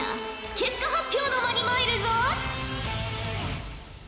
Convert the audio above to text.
結果発表の間に参るぞ。